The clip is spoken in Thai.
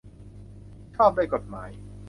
ชอบด้วยกฎหมาย